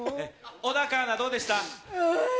小高アナ、どうでした？